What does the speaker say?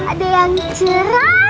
ada yang cerah